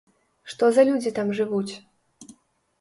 Што за людзі там жывуць?